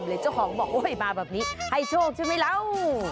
เจ้าของบอกโอ้ยมาแบบนี้ให้โชคใช่ไหมเรา